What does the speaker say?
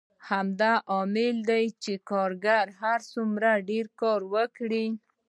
همدا لامل دی چې کارګر هر څومره ډېر کار وکړي